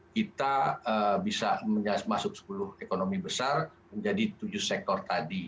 kita bisa masuk sepuluh ekonomi besar menjadi tujuh sektor tadi